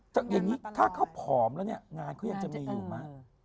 อย่างนี้ถ้าเขาผอมแล้วงานก็ยังจะมีอยู่มา